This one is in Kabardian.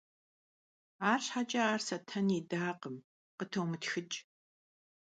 Arşheç'e ar Saten yidakhım: - Khıtomıtxıç'.